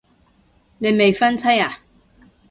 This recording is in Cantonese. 你未婚妻啊